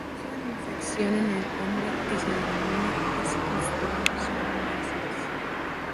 Causan infección en el hombre que se denomina esquistosomiasis.